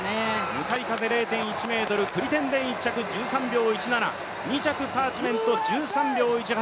向かい風０．１メートル、クリッテンデン１着１３秒１７、２着パーチメント、１３秒１８。